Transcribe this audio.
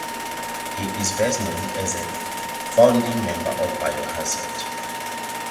He is best known as a founding member of Biohazard.